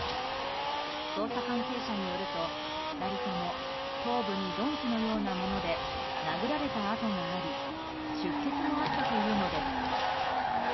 捜査関係者によると、２人とも頭部に鈍器のようなもので殴られた痕があり出血もあったというのです。